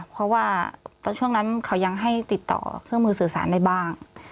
เพราะว่าตอนช่วงนั้นเขายังให้ติดต่อเครื่องมือสื่อสารได้บ้าง